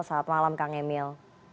selamat malam kang emil